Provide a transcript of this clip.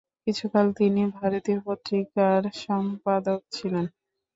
কিছুকাল তিনি "ভারতী" পত্রিকার সম্পাদক ছিলেন।